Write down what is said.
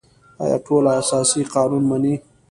آیا ټول اساسي قانون مني؟